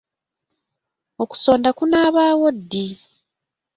Okusonda kunaabaawo ddi?